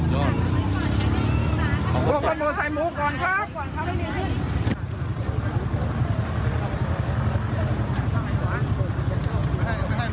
หรือให้วาง๕นาที